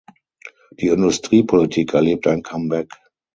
Die Industriepolitik erlebt ein Comeback.